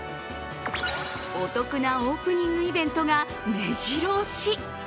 お得なオープニングイベントがめじろ押し。